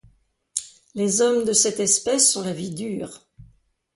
Les hommes de cette espèce ont la vie dure.